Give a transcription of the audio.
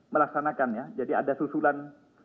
melaksanakan jadi ada susulan